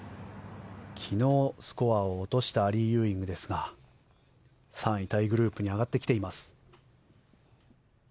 昨日、スコアを落としたアリー・ユーイングですが３位タイグループに上がってきています。